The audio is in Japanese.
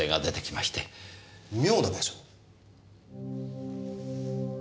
妙な場所？